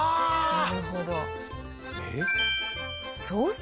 なるほど。